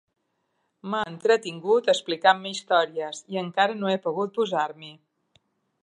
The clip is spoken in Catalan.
M'ha entretingut explicant-me històries, i encara no he pogut posar-m'hi.